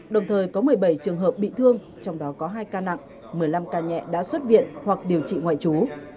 đồng thời có một mươi bảy trường hợp bị thương trong đó có hai ca nặng một mươi năm ca nhẹ đã xuất viện hoặc điều trị ngoại trú